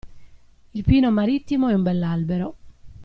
Il pino marittimo è un bell'albero.